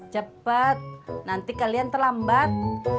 cepet nanti kalian terlambat